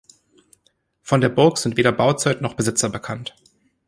Von der Burg sind weder Bauzeit noch Besitzer bekannt.